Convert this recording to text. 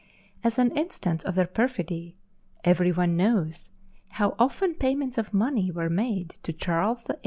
As an instance of their perfidy, every one knows how often payments of money were made to Charles VIII.